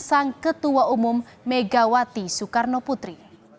sang ketua umum megawati soekarno putri